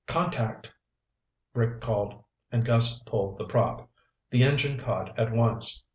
"Contact," Rick called, and Gus pulled the prop. The engine caught at once.